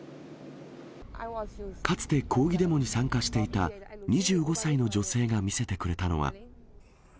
かつて抗議デモに参加していた、２５歳の女性が見せてくれたのは。